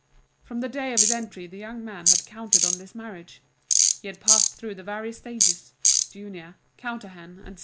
From the day of his entry the young man had counted on this marriage. He had passed through the various stages: junior, counter hand, etc.